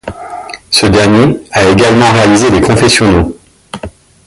Ce dernier a également réalisé les confessionnaux.